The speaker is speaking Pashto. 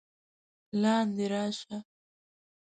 لاندې راشه!